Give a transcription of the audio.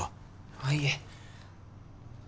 あっいえ。